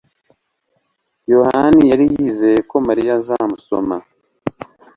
yohani yari yizeye ko mariya azamusoma